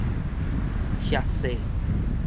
額勢